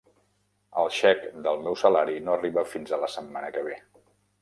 El xec del meu salari no arriba fins a la setmana que ve.